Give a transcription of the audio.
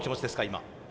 今。